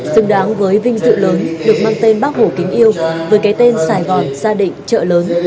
xứng đáng với vinh dự lớn được mang tên bác hổ kính yêu với cái tên sài gòn gia đình trợ lớn